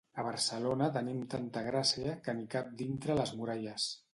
A Barcelona tenim tanta gràcia, que n'hi cap dintre les muralles.